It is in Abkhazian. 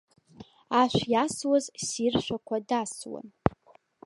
Ашә иасуаз ссиршәақәа дасуан.